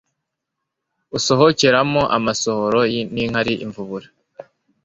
usohokeramo amasohoro n'inkari imvubura